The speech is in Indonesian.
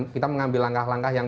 kita mengambil langkah langkah yang